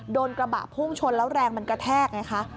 โดนกระบะพุ่งชนแล้วแรงมันกระแทกไงคะ